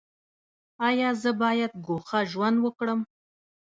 ایا زه باید ګوښه ژوند وکړم؟